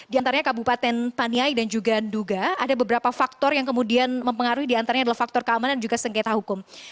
di antaranya kabupaten paniai dan juga nduga ada beberapa faktor yang kemudian mempengaruhi diantaranya adalah faktor keamanan juga sengketa hukum